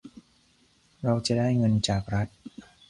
เราจะได้เงินจากรัฐ